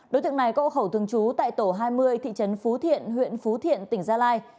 đối tượng này có hộ khẩu thường trú tại tổ hai mươi thị trấn phú thiện huyện phú thiện tỉnh gia lai